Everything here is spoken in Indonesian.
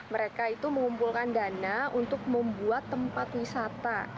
mereka itu mengumpulkan dana untuk membuat tempat wisata